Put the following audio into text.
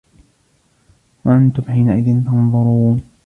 وأنتم حينئذ تنظرون